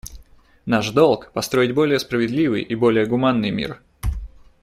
Наш долг — построить более справедливый и более гуманный мир.